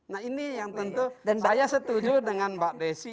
nah ini yang tentu saya setuju dengan mbak desi